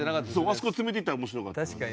あそこ詰めていったら面白かった。